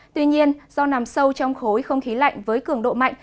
tuy nhiên do nằm sâu trong khối không khí lạnh với cường độ mạnh